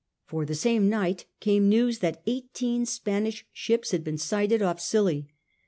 For the same night came news that eighteen Spanish ships had been sighted off Scilly.